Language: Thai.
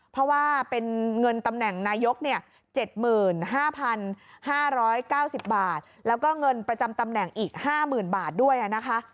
เพราะว่าเป็นเงินตำแหน่งนายก๗๕๕๙๐บาทแล้วก็เงินประจำตำแหน่งอีก๕๐๐๐บาทด้วยนะคะ